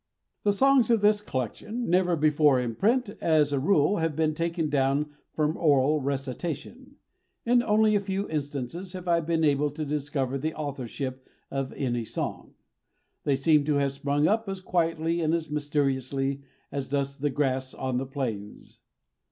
The songs of this collection, never before in print, as a rule have been taken down from oral recitation. In only a few instances have I been able to discover the authorship of any song. They seem to have sprung up as quietly and mysteriously as does the grass on the plains.